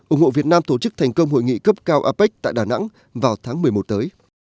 ủng hộ việt nam tổ chức thành công hội nghị cấp cao apec tại đà nẵng vào tháng một mươi một tới